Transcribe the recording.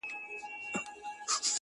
• ټول د نورو له عیبونو پړسېدلی -